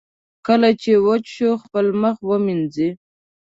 کله چې وچ شو، خپل مخ ومینځئ.